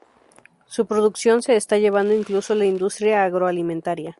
Su producción se está llevando incluso a la industria agroalimentaria.